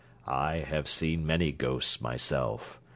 I have seen many ghosts myself.